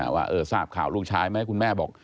ว่าทราบข่าวลูกชายไหมคุณแม่บอก